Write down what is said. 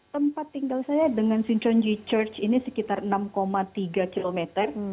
tempat tinggal saya dengan sincheonji church ini sekitar enam tiga kilometer